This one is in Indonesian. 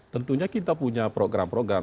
tentunya kita punya program program